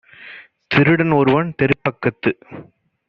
திருடன் ஒருவன் தெருப்பக்கத்து